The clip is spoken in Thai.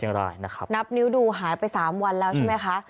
นับนิ้วดูหายไป๓วันแล้วใช่ไหมคะ